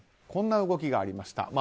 こんな動きがありました。